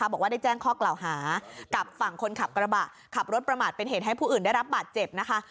บอกว่าได้แจ้งข้อกล่าวหากับฝั่งคนขับกระบะขับรถประมาทเป็นเหตุให้ผู้อื่นได้รับบาดเจ็บนะคะ